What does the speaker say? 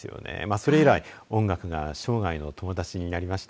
それ以来音楽が生涯の友達になりました。